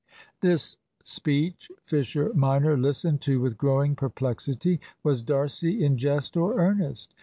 This speech Fisher minor listened to with growing perplexity. Was D'Arcy in jest or earnest?